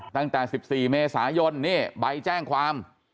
ตั้งแต่๑๔เมษายนนี่ใบแจ้งความ